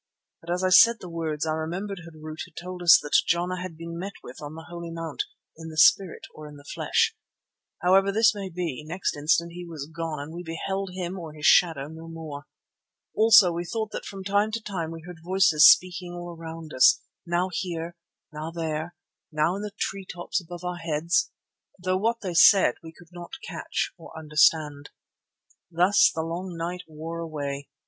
But as I said the words I remembered Harût had told us that Jana had been met with on the Holy Mount "in the spirit or in the flesh." However this may be, next instant he was gone and we beheld him or his shadow no more. Also we thought that from time to time we heard voices speaking all around us, now here, now there and now in the tree tops above our heads, though what they said we could not catch or understand. Thus the long night wore away.